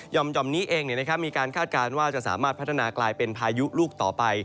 ห่อมนี้เองมีการคาดการณ์ว่าจะสามารถพัฒนากลายเป็นพายุลูกต่อไป